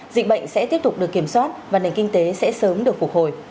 dịch bệnh sẽ tiếp tục được kiểm soát và nền kinh tế sẽ sớm được phục hồi